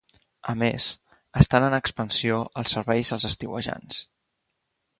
A més, estan en expansió els serveis als estiuejants.